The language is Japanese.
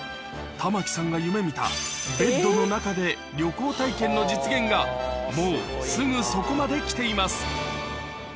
玉城さんが夢みた、ベッドの中で旅行体験の実現が、もうすぐそこまで来ています。